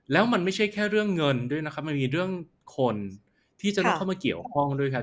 แล้วมันไม่ใช่แค่เรื่องเงินด้วยนะครับมันมีเรื่องคนที่จะต้องเข้ามาเกี่ยวข้องด้วยครับ